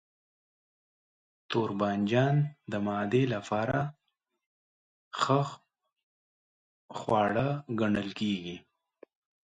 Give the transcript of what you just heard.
توربانجان د معدې لپاره ښه خواړه ګڼل کېږي.